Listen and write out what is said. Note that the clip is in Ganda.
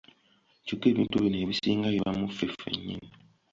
Kyokka ebintu bino ebisinga biba mu ffe ffennyini.